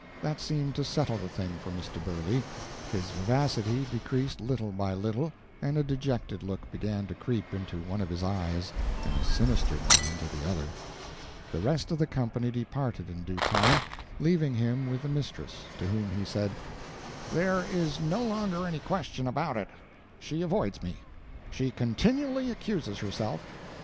That seemed to settle the thing for Mr. Burley; his vivacity decreased little by little, and a dejected look began to creep into one of his eyes and a sinister one into the other. The rest of the company departed in due time, leaving him with the mistress, to whom he said: "There is no longer any question about it. She avoids me. She continually excuses herself.